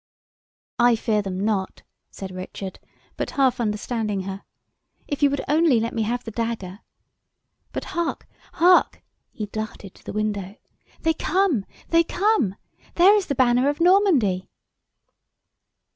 "I fear them not," said Richard, but half understanding her, "if you would only let me have the dagger! But, hark! hark!" he darted to the window. "They come, they come! There is the banner of Normandy."